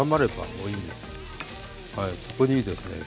はいこれでいいですね。